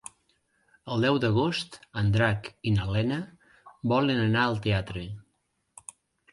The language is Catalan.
El deu d'agost en Drac i na Lena volen anar al teatre.